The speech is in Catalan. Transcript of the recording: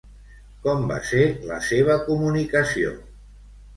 Com va ser la seva comunicació?